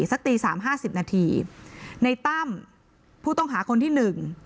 สักตีสามห้าสิบนาทีในตั้มผู้ต้องหาคนที่หนึ่ง